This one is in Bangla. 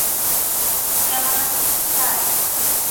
সে আমার কাছে কিছু চায়।